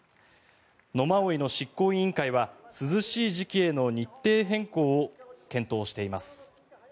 野馬追の執行委員会は涼しい時期への日程変更を検討しています。